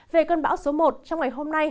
về cơn bão số một trong ngày hôm nay